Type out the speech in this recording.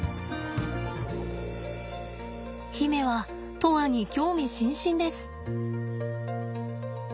媛は砥愛に興味津々です。